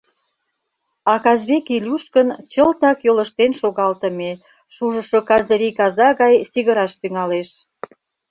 А Казбек Илюш гын чылтак йолыштен шогалтыме, шужышо казырий каза гай сигыраш тӱҥалеш.